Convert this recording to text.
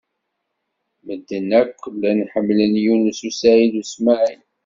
Medden akk llan ḥemmlen Yunes u Saɛid u Smaɛil.